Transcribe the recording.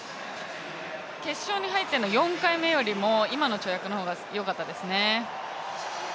決勝に入っての４回目よりも今の跳躍の方が良かったですね。